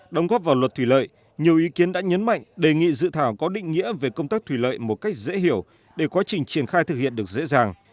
đồng góp vào luật thủy lợi nhiều ý kiến đã nhấn mạnh đề nghị dự thảo có định nghĩa về công tác thủy lợi một cách dễ hiểu để quá trình triển khai thực hiện được dễ dàng